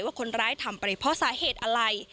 ว่าคนร้ายทำไปเพราะสาเหตุอะไร